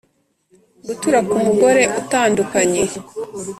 gutura ku mugore utandukanye;